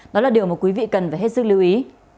đó là điều mà quý vị cần phải hết sức lưu ý